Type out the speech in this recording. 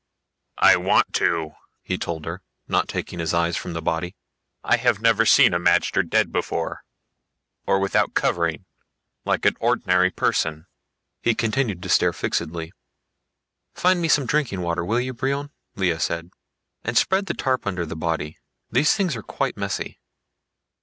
"I want to," he told her, not taking his eyes from the body. "I have never seen a magter dead before, or without covering, like an ordinary person." He continued to stare fixedly. "Find me some drinking water, will you, Brion?" Lea said. "And spread the tarp under the body. These things are quite messy."